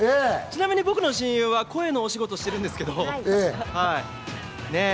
ちなみに僕の親友は声のお仕事してるんですけど、はい。